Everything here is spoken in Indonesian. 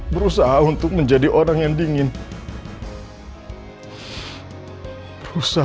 berusaha untuk tetap menjadi orang yang sangat profesional